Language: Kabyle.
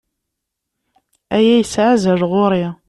Aya yesɛa azal ɣer-i.